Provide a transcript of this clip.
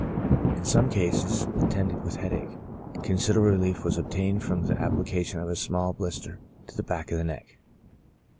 In some cases attended with headache, consider able relief was obtained from the application of a small blis ter to the back of the neck.